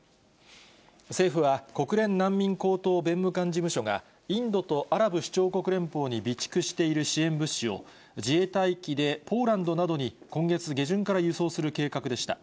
政府は、国連難民高等弁務官事務所が、インドとアラブ首長国連邦に備蓄している支援物資を、自衛隊機でポーランドなどに今月下旬から輸送する計画でした。